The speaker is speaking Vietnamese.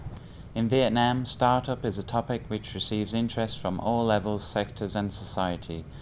tiền đề động lực của việt nam là một tiền đề động lực which receives interest from all levels sectors and society